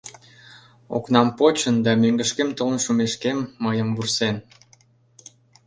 Окнам почын да мӧҥгышкем толын шумешкем мыйым вурсен...